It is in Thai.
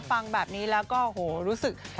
ฟังแบบนี้แล้วก็โหรู้สึก